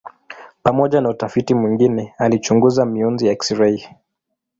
Pamoja na utafiti mwingine alichunguza mionzi ya eksirei.